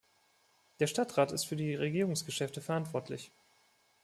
Der Stadtrat ist für die Regierungsgeschäfte verantwortlich.